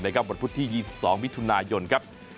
วันพุธที่๒๒มิถุนายนครับ